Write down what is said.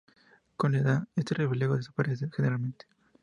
Con la edad, este reflejo desaparece generalmente.